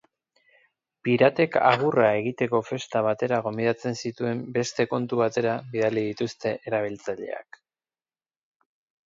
Piratek agurra egiteko festa batera gonbidatzen zituen beste kontu batera bidali dituzte erabiltzaileak.